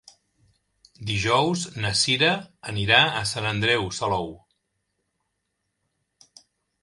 Dijous na Cira anirà a Sant Andreu Salou.